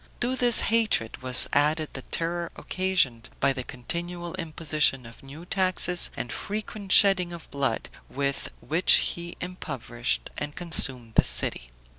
To this hatred, was added the terror occasioned by the continual imposition of new taxes and frequent shedding of blood, with which he impoverished and consumed the city.